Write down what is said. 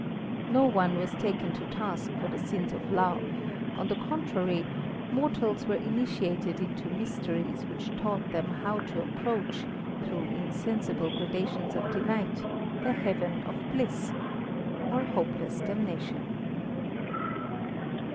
No one was taken to task for the sins of love; on the contrary, mortals were initiated into mysteries which taught them how to approach, through insensible gradations of delight, the heaven of bliss or hopeless damnation.